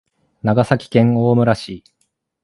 長崎県大村市